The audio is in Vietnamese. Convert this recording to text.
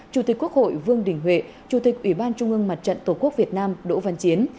chủ tịch quốc hội vương đình huệ chủ tịch ủy ban trung ương mặt trận tổ quốc việt nam đỗ văn chiến